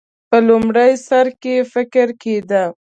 په لومړي سر کې فکر کېده.